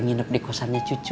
nginap di kosarnya cucu